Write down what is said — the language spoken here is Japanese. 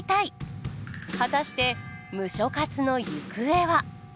果たしてムショ活の行方は！？